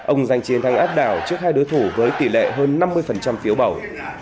ông giành chiến thắng áp đảo trước hai đối thủ với tỷ lệ hơn năm mươi phiếu bầu